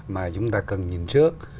mà chúng ta cần nhìn trước